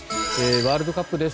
ワールドカップです。